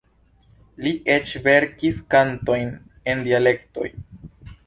Li eĉ verkis kantojn en dialektoj.